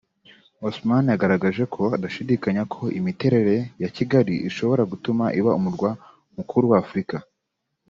Ousmane yagaragaje ko adashidikanyaho ko imiterere ya Kigali ishobora gutuma iba umurwa mukuru wa Afurika